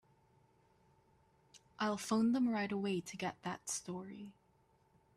I'll phone them right away to get that story.